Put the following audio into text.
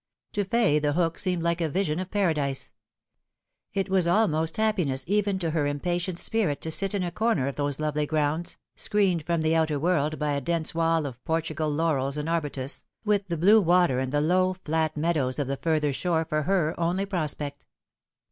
To Fay The Hook seemed like a vision of Paradise. It was almost happiness even to her impatient spirit to sit in a corner of those lovely grounds, screened from the outer world by a dense wall of Portugal laurels and arbutus, with the blue water and the low, flat meadows of the further shore for her only prospect.